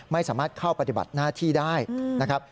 ไม่สามารถเข้าปฏิบัติหน้าที่ได้นะครับ